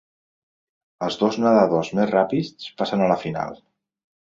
Els dos nedadors més ràpids passen a la final.